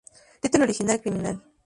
Título original: Criminal.